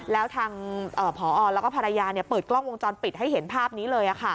แล้วทางผอแล้วก็ภรรยาเปิดกล้องวงจรปิดให้เห็นภาพนี้เลย